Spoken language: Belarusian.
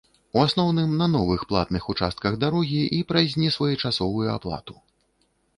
У асноўным на новых платных участках дарогі і праз несвоечасовую аплату.